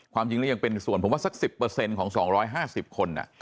ความจริงแล้วยังเป็นส่วนผมว่าสัก๑๐ของ๒๕๐คน